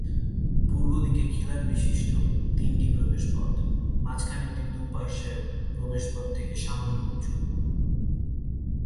পূর্বদিকে খিলানবিশিষ্ট তিনটি প্রবেশপথ, মাঝখানেরটি দুপার্শ্বের প্রবেশপথ থেকে সামান্য উঁচু।